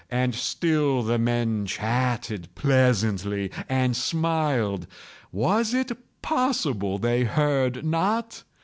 And still the men chatted pleasantly, and smiled. Was it possible they heard not?